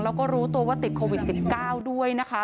แล้วก็รู้ตัวว่าติดโควิด๑๙ด้วยนะคะ